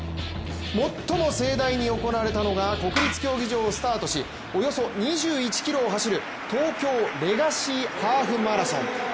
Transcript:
最も盛大に行われたのが国立競技場をスタートしおよそ２１ｋｍを走る東京レガシーハーフマラソン。